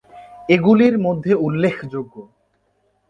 এগুলির মধ্যে উল্লেখযোগ্য।